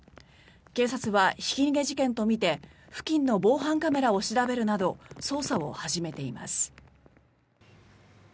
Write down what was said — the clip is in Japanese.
警察はひき逃げ事件とみて付近の防犯カメラを調べるなど捜査を始めています。